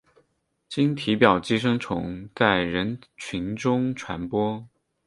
经体表寄生虫在人群中传播。